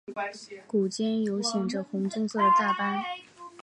股间有显着的红棕色的大斑。